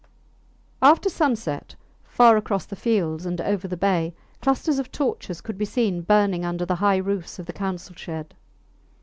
After sunset, far across the fields and over the bay, clusters of torches could be seen burning under the high roofs of the council shed.